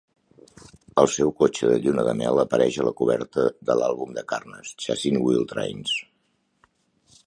El seu cotxe de lluna de mel apareix a la coberta de l'àlbum de Carnes, "Chasin' Wild Trains".